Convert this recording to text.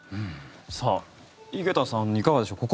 さあ、井桁さんいかがでしょう。